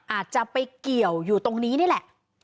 อาจจะไปเกี่ยวอยู่ตรงนี้นี่แหละ